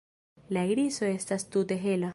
La iriso estas tute hela.